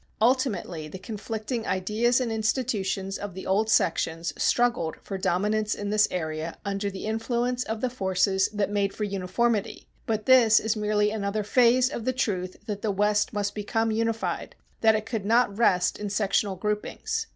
Ultimately the conflicting ideas and institutions of the old sections struggled for dominance in this area under the influence of the forces that made for uniformity, but this is merely another phase of the truth that the West must become unified, that it could not rest in sectional groupings.